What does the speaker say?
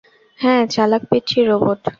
হ্যাঁ, চালাক পিচ্চি রোবট।